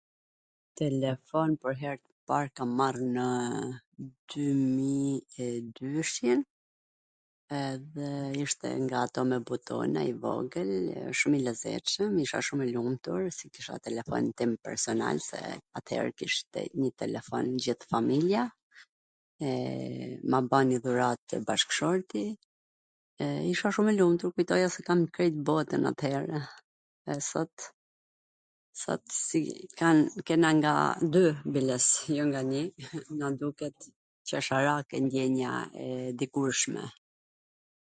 Telefon pwr her t par kam marr nw dymijedyshin, edhe ishte nga ato me butone, i vogwl, shum i lezeCwm, un isha shum e lumtur, kisha telefonin tim personal se atwher kishte njw telefon gjith familja, e ma bani dhuratw bashkshorti, e isha shum e lumtur, kujtoja se kam krejt botwn at-here, e sot, sot si kena nga dy biles, jo nga nji, na duket qesharake ndjenja e dikurshme.